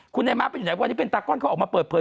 คุณนายม้าไปอยู่ไหนวันนี้เป็นตาก้อนเขาออกมาเปิดเผย